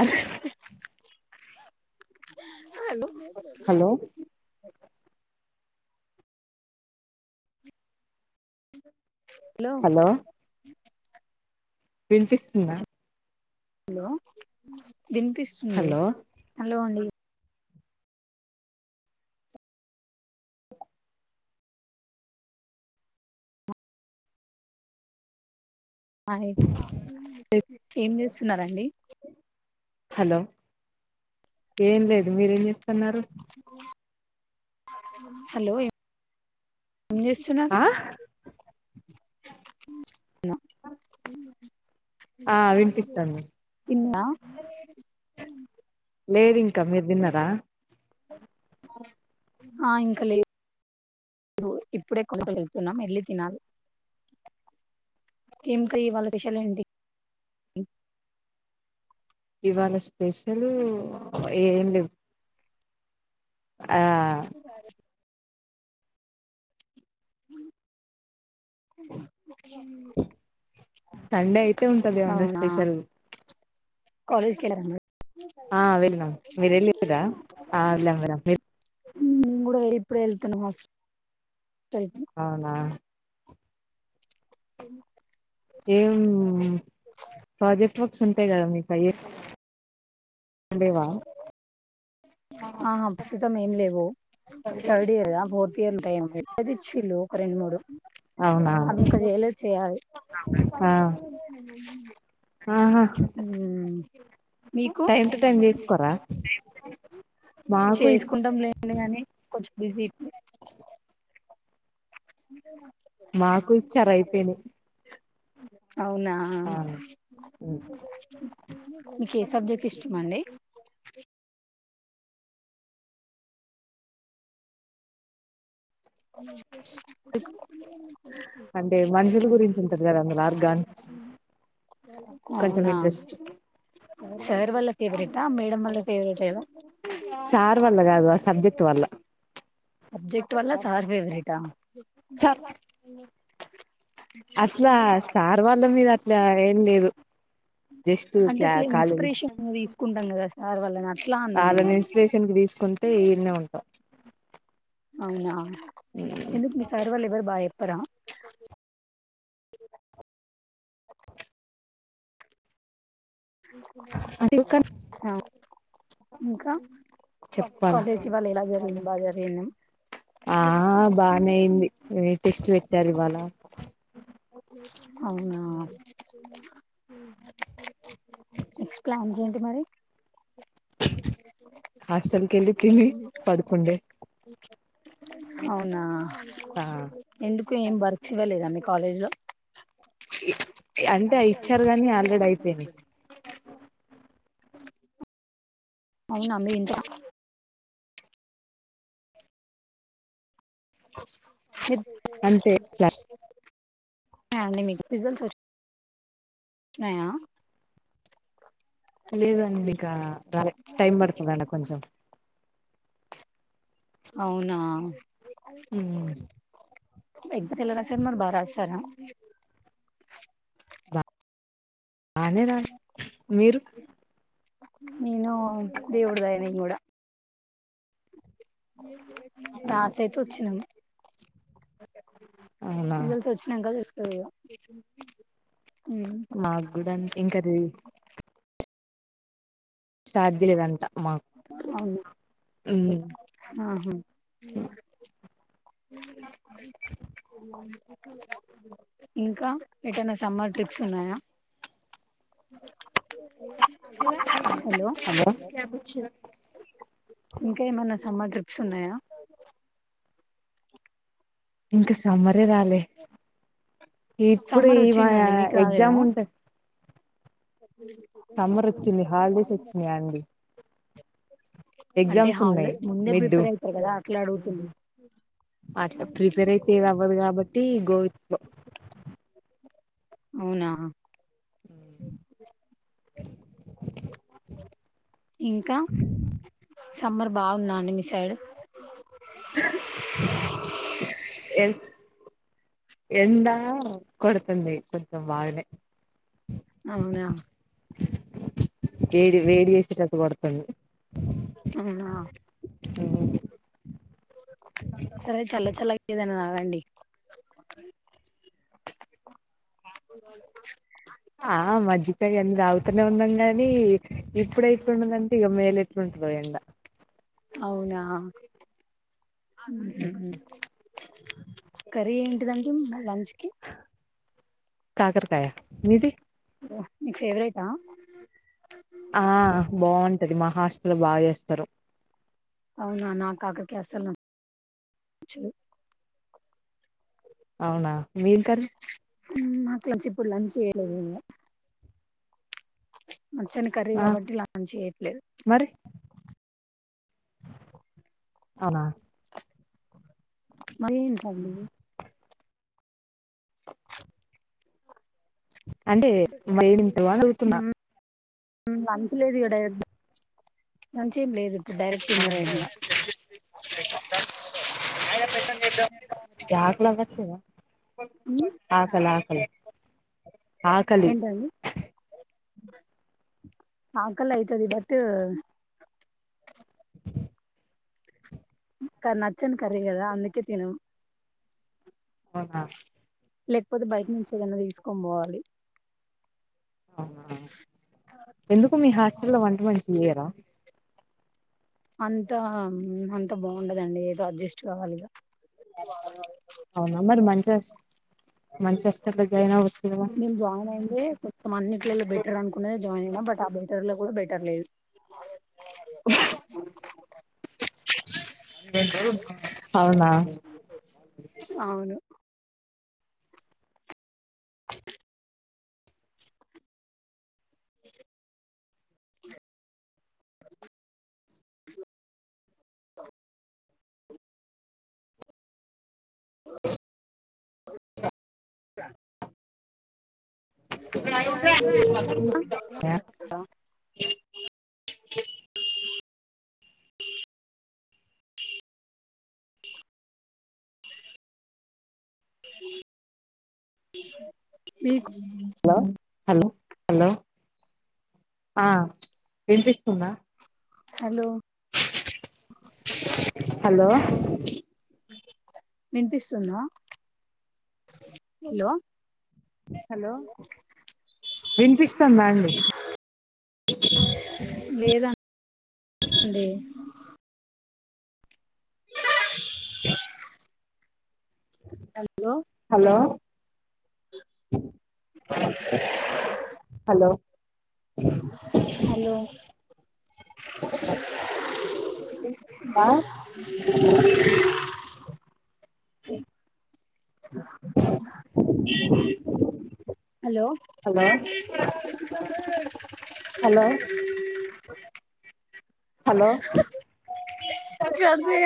అస్ hello hello hello వినిపిస్తుందా hello వినిపిస్తుంది hello hello అండి అయ ఏం చేస్తున్నరు అండి హలో ఏం లేదు మీరేం చేస్తున్నారు హలో ఏం చేస్తున్నారు ఆ ఆ వినిపిస్తాంది తిన్న లేదు ఇంకా మీరు తిన్నారా ఆ ఇంకా లేదు ఇప్పుడే కొరతగలుతున్నాం ఎళ్ళి తినాలి ఏం కర్రీ ఇవాళ స్పెషల్ ఏంటి ఇవాళ స్పెషల్ ఏం లేవు ఆ సండే అయితే ఉంటది ఏం అన్న స్పెషల్ కాలేజ్ కి వెళ్ళారు అందరూ ఆ వెళ్ళదాం మీరు వెళ్ళరా ఆ వెళ్ళాం నేను కూడా ఇప్పుడే వెళ్తాను హాస్పిల్ అనా ఏ ఏం ప్రాజెక్ట్ వర్క్స్ ఉంటాయి కదా మీకు అయ లెవా ఆ ప్రస్తుతం ఏం లేవు థర్డ్ ఇయర్ ఫోర్త్ తీరుంటాయంది ఇచ్చిల్ళు ఒక రెండు మూడు అవునా అవి ఇంకా చేయలేదు చెయాలి ఆ ఇంది ఆహా ఉ మీకు టైమ్ టు టైమ్ చేసుకోరా మాకు చేసుకుంటాం లేండి కానీ కొంచెం బిజీ అంది [inaudible] మాకు ఇచ్చారు అయిపోయిను అే అవునా మీకు ఏ సబ్జెక్ట్ ఇష్టమ అండి [inaudible] ఈ ర్ గన్స్ అవునా సార్ వాళ్ళ ఫేవరెట్ మేడ వాళ్ ఫేవరెట్ ఏద సార్ వల్ల కాదు సబ్జెక్ట్ వల్ల సబ్జెక్ట్ వాళ్ సార్ ఫవరట్ సార్ అట్లా సార్ వాళ్ళ మీద అట్లా ఏం లేదు జస్ట్ అంటే క్లా ఇట్లా కాలేజ్ ఇన్స్పిరేషన్ తీసుకుంటాం కదా సార్ వల్ల నా వాళని ఇన్స్పిరేషన్ కి తీసుకుంటే ఈనే ఉంటాం అవునా ఎందుకు మీ సార్ వాళ్ళు ఎవరు బాగా చెప్పరా [unintelligible] అందుకని ఆ ఇంకా చెప్పాలా కాలేజీ వాళ్ళ ఇలా జరిగింది బాగా జరిగిందం ఆ బానేయింది టెస్ట్ పెట్టారు ఇవాళ అవునా నెక్స్ట్ ప్లాన్స్ ఏంటి మరి హాస్టెల్ క వెళ్ళతిని పడుకండే అవునా ఎందుకు ఏం వర్క్స్ ఇవ్వలేదా మీ కాలేజ్ లో అంటే అందరు ఇచ్చారు కాగాని కానీ ఆల్రెడీ అయిపోను అయిపోయింది అవునా మరీంద్ర మీరు అంటే అండి మీకు ఫిజల్స్ వచ్చయా లేదండి ఇంకా టైం పడుతుంద కొంచెం అవునా కొంచెం ఎగ్జామ్స్ ఎలా రాసారు మరి బ రాశారా అానే నాా మీరు నేను దేవుడు దాయనింగ్ కూడా రాసైత వచ్చినాము అవునా రిజల్స్ వచ్చినాక తెసుంది మాకు కూడా అంత ఇంకాది స్టార్జడ్గంత మాకు అవును ఆహా ఇంకా ఏటైనా సమ్మర్ ట్రిప్స్ ఉన్నాయా హలో ఇంకా ఏమన్నా సమ్మర్ ట్రిప్స్ ఉన్నాయా ఇంకా సమ్మరే రాలే ఇప్పుడు సమ్మర్ ఈ మా వచ్చిందండి మీకు రాలేదా ఎగ్జామ్ ఉంటా సమ్మర్ వచ్చింది హాలిడేస్ వచ్చినాయా అండి అంటే ఎగ్జామ్స్ ఉన్నాయి హాలిడేస్ ముందే మిడ్ ప్రిపేర్ అవుతాయి కదా అట్లా అడుగుతుంది ఆ ప్రిపేర్ అయితే అవ్వదు కాబట్టి గోవిద అవునా అ ఇంకా సమ్మర్ బాగున్నాండి మీ సైడు ఏ ఎడా కొడుతుందింది కొంచెం బగానే అవునా ఏడి వేడి వేసిట్త కొడతాను అ సరే చల్ల చల్ల ఏదనా నాగండి [inaudible] ఆ మజిగ ఎన్న తాగుతూ వినం కానీ ఇప్పుడు ఎట్లుంటుందంటే మే ఎట్లుంటందో ఎండ అవునా కర్రీ ఇంటిదంంటి లంచ్ కి కాకరకాయ మీది మీకు ఫేవరెట్ ఆ బాగుంటది మా హాస్టల్లో బాగా చేస్తారు అవునా నా కాకరకాయ అసలు నచ్చదు అవునా మీం కర కొంచెం ఇప్పుడు లంచ్ ఏం లె మచ్చని కర్రీ ఆ కాబట్టి ఇలాలంచ్ చేయట్లేదు మరి అ అవునా మరి అంటే వేడింత వాళ అవుతున్నా లంచ్ లేదు ఇక్కడ మంచి ఏం లేదు అప్పు డైరెక్ట్ డిన్నర్ ఇంకా ఆకలి అవట్లేద ఉమ్, ఆకలి ఆకలి ఆకలి ఏంటండి ఆకల అయితది బట్ నాకు నచ్చని కర్రీ కథ అందుకే తినను ఆహా లేకపోతే బయట నుంచి ఏదన్నా తీసుకని పోవాలి ఆ ఎందుకు మీ హాస్టల్ వంట మనిషి లేరా చెయరా అంతా అంత బాగుండదండి ఏదో అడ్జస్ట్ కావాలిద అవునా మరి మంచి హాస్టల్ జాయిన్ అవుండచు గా మేము జాయిన్ అయింది కొంచెం అన్నింటిలలో బెటర్ అనుకున్నది జాయిన్ అయిం బట్ ఆ బెటర్ కూడా బెటర్ లేదు అవునా అవును హలో [unintelligible] ఈ [unintelligible] హలో హలో హలో వినిపిస్తుందా హలో హలో వినిపిస్తున్నా హలో హలో వినిపిస్తాందా అండి లేదండి లేదు హలో హలో హలో హలో ఆ హలో హలో హలో హలో చద [unintelligible]